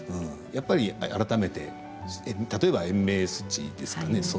やっぱり改めて例えば、延命措置ですかね？